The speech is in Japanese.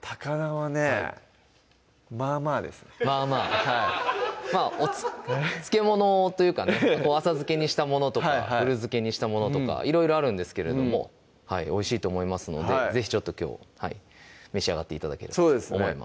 高菜はねぇまあまあですねまあまあお漬物というかね浅漬けにしたものとか古漬けにしたものとかいろいろあるんですけれどもおいしいと思いますので是非ちょっときょう召し上がって頂ければとそうですね